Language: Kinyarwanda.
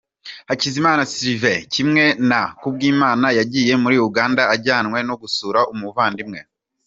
Hakizimana Sylvain kimwe na Kubwimana, yagiye muri Uganda ajyanwe no gusura umuvandimwe.